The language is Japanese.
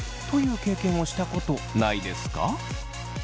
という経験をしたことないですか？